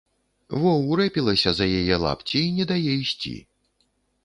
Во, урэпілася за яе лапці і не дае ісці.